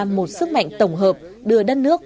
một sức mạnh tổng hợp đưa đất nước